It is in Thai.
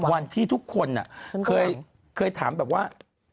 วันที่ทุกคนเคยถามแบบว่า